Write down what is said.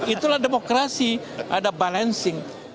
itulah demokrasi ada balancing